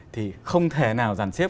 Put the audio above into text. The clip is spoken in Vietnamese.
thì không thể nào giàn xếp